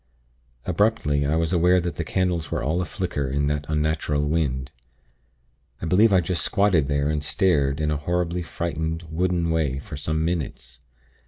"Abruptly, I was aware that the candles were all a flicker in that unnatural wind.... I believe I just squatted there and stared in a horribly frightened, wooden way for some minutes.